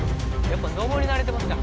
やっぱ登り慣れてますね。